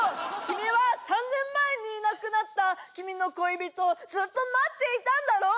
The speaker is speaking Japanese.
君は３年前にいなくなった君の恋人をずっと待っていたんだろ？